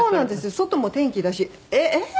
外も天気だし「えっ？」